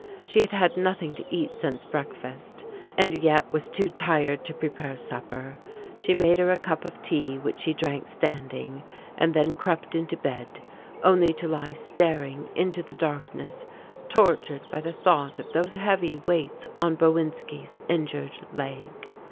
She had had nothing to eat since breakfast, and yet was too tired to prepare supper. She made her a cup of tea which she drank standing, and then crept into bed only to lie staring into the darkness tortured by the thought of those heavy weights on Bowinski's injured leg.